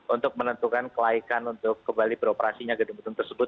untuk menentukan kelaikan untuk kembali beroperasinya gedung gedung tersebut